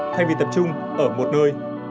thay vì tập trung ở một nơi